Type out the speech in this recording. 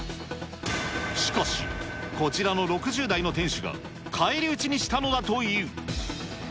しかし、こちらの６０代の店主が、返り討ちにしたのだという。